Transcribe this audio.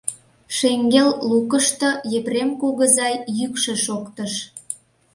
Шеҥгел лукышто Епрем кугызай йӱкшӧ шоктыш: